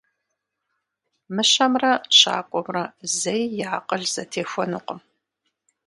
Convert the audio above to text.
Мыщэмрэ щакӏуэмрэ зэи я акъыл зэтехуэнукъым.